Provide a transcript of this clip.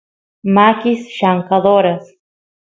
makis llamkadoras